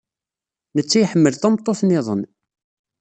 Netta iḥemmel tameṭṭut niḍen.